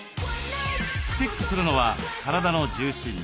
チェックするのは体の重心。